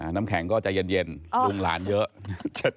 น้ำแข็งก็ใจเย็นลุงหลานเยอะ